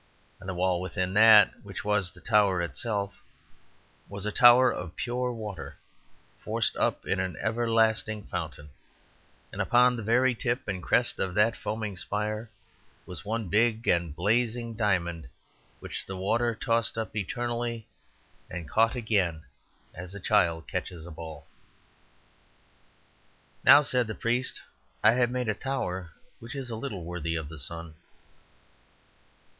And the wall within that, which was the tower itself, was a tower of pure water, forced up in an everlasting fountain; and upon the very tip and crest of that foaming spire was one big and blazing diamond, which the water tossed up eternally and caught again as a child catches a ball. "Now," said the priest, "I have made a tower which is a little worthy of the sun."